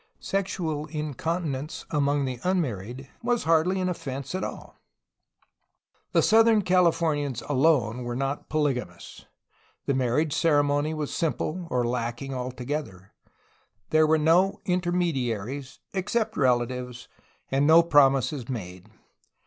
Sexual incontinence among the unmarried was hardly an offence at all. The southern Californians alone were not polygamous. The marriage ceremony was simple or lacking altogether. There were no intermediaries except relatives and no prom ises made.